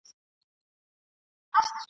د رنګارنګ شګوفو ..